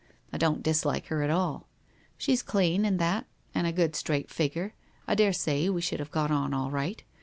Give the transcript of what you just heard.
I don't dislike her at all. She's clean and that, and a good straight figure, 1 daresay we should have got on all right.